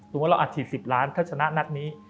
ว่าเราอัดฉีด๑๐ล้านถ้าชนะนัดนี้